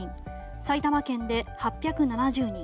埼玉県で８７０人